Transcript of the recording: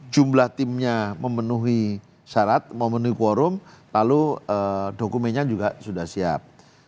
jumlah timnya memenuhi syarat memenuhi quorum lalu dokumennya juga sudah siap